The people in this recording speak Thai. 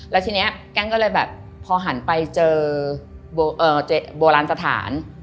แล้วทีนี้แกล้งก็เลยแบบพอหันไปเจอโบราณสถาน